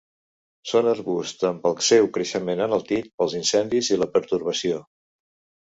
Són arbusts amb el seu creixement enaltit pels incendis i la pertorbació.